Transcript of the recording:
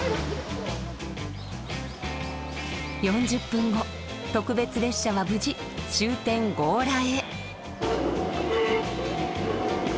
４０分後特別列車は無事終点強羅へ。